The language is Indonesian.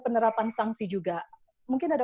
penerapan sanksi juga mungkin ada